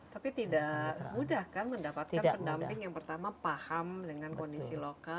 tapi tidak mudah kan mendapatkan pendamping yang pertama paham dengan kondisi lokal